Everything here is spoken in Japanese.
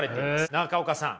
中岡さん。